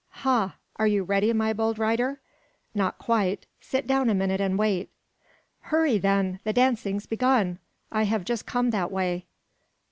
"Ha! Are you ready, my bold rider?" "Not quite. Sit down a minute and wait." "Hurry, then! the dancing's begun. I have just come that way.